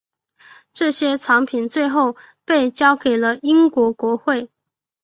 这些藏品最后被交给了英国国会。